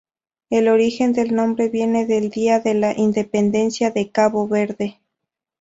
El origen del nombre viene del día de la independencia de Cabo Verde.